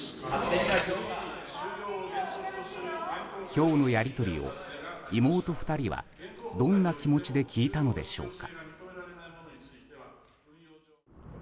今日のやり取りを妹２人はどんな気持ちで聞いたのでしょうか。